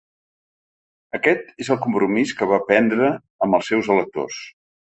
Aquest és el compromís que va prendre amb els seus electors.